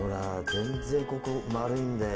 全然ここ丸いんだよ。